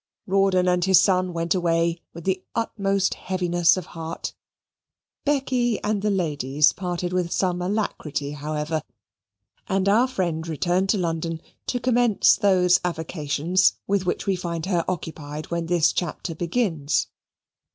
Rawdon and his son went away with the utmost heaviness of heart. Becky and the ladies parted with some alacrity, however, and our friend returned to London to commence those avocations with which we find her occupied when this chapter begins.